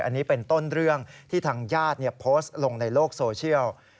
อันนี้เป็นต้นเรื่องที่ทางญาติโพสต์ลงในโลกโซเชียล